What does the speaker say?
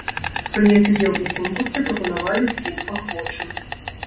Прыняць удзел у конкурсе прапанавалі ўсім ахвочым.